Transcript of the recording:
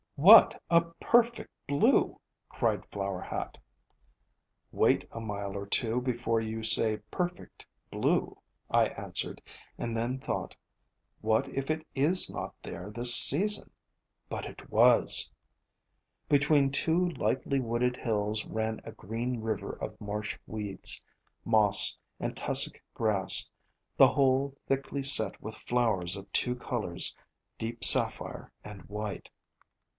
"What a perfect blue!" cried Flower Hat. "Wait a mile or two more before you say perfect blue," I answered, and then thought, What if it is not there this season? But it was! Between two lightly wooded hills ran a green river of marsh weeds, moss and tussock grass, the whole thickly set with flowers of two colors, — deep sapphire and white.